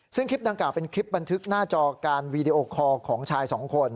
ซึ่งคลิปดังกล่าเป็นคลิปบันทึกหน้าจอการวีดีโอคอร์ของชายสองคน